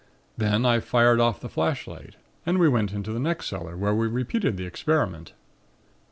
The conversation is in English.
Then I fired off the flashlight, and we went into the next cellar where we repeated the experiment.